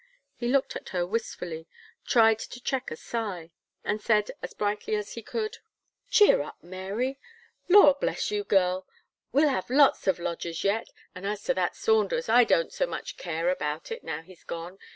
He looked at her wistfully, tried to check a sigh, and said as brightly as he could: "Cheer up, Mary; law bless you girl, well have lots of lodgers yet; and as to that Saunders, I don't so much care about it, now he's gone.